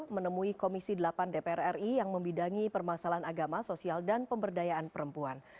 menemui komisi delapan dpr ri yang membidangi permasalahan agama sosial dan pemberdayaan perempuan